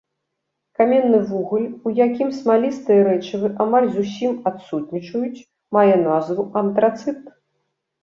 Каменны вугаль у якім смалістыя рэчывы амаль зусім адсутнічаюць, мае назву антрацыт.